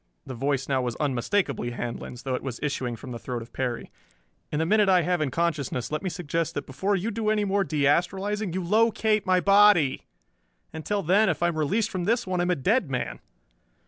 The voice now was unmistakably Handlon's, though it was issuing from the throat of Perry. "In the minute I have in consciousness let me suggest that before you do any more de astralizing you locate my body. Until then, if I am released from this one I am a dead man."